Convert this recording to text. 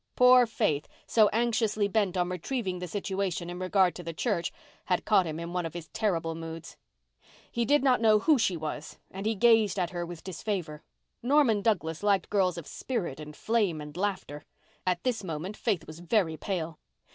Poor Faith, so anxiously bent on retrieving the situation in regard to the church, had caught him in one of his terrible moods. He did not know who she was and he gazed at her with disfavour. Norman Douglas liked girls of spirit and flame and laughter. At this moment Faith was very pale.